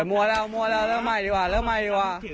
มั่วแล้วแล้วก็ใหม่ดีกว่า